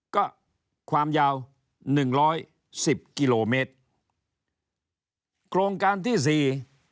ก็ความยาวหนึ่งร้อยสิบกิโลเมตรโครงการที่สี่